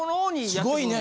すごいね。